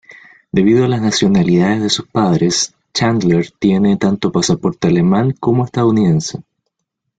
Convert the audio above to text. Debido a las nacionalidades de sus padres, Chandler tiene tanto pasaporte alemán como estadounidense.